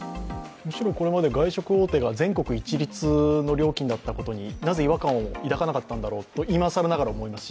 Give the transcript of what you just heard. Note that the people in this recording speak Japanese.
ここまで外食大手が全国一律の料金だったことになぜ違和感を抱かなかったのだろうと今更ながら思いますし。